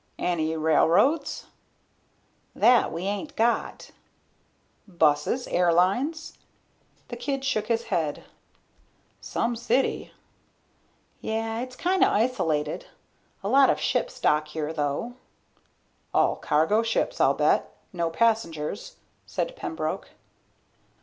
"Any railroads?" "That we ain't got." "Buses? Airlines?" The kid shook his head. "Some city." "Yeah, it's kinda isolated. A lot of ships dock here, though." "All cargo ships, I'll bet. No passengers," said Pembroke.